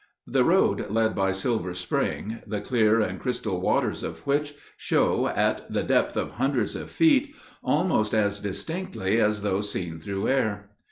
The road led by Silver Spring, the clear and crystal waters of which show at the depth of hundreds of feet almost as distinctly as though seen through air.